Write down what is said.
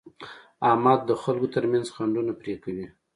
احمد د خلکو ترمنځ خنډونه پرې کوي.